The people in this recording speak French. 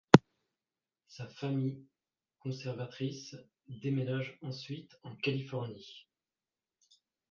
Sa famille, conservatrice, déménage ensuite en Californie.